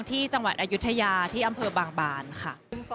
ที่จังหวัดอายุทยาที่อำเภอบางบานค่ะ